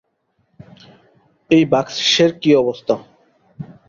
এই বাক্সের কি অবস্থা?